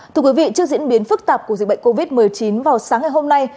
thưa quý vị trước diễn biến phức tạp của dịch bệnh covid một mươi chín vào sáng ngày hôm nay